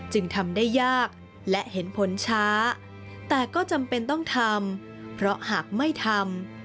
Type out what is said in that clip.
จึงทำได้ยากและเห็นผลช้าแต่ก็จำเป็นต้องทำเพราะหากไม่ทำ